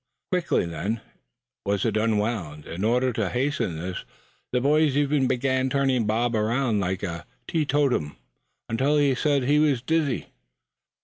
Quickly then was it unwound. In order to hasten this, the boys even began to turn Bob around like a teetotum, until he said he was dizzy.